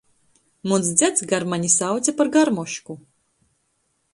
Muns dzeds garmani sauce par garmošku.